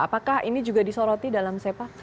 apakah ini juga disoroti dalam sepa